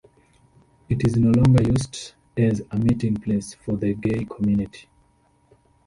It is no longer used as a meeting place for the gay community.